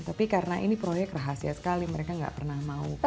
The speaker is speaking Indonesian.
tapi karena ini proyek rahasia sekali mereka nggak pernah mau